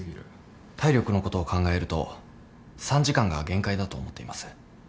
体力のことを考えると３時間が限界だと思っています。